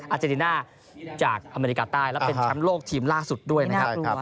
เจนติน่าจากอเมริกาใต้และเป็นแชมป์โลกทีมล่าสุดด้วยนะครับ